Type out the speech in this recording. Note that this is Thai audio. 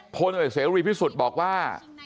พลเอกเสรีพิสุทธิ์บอกว่า